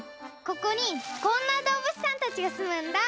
ここにこんなどうぶつさんたちがすむんだ。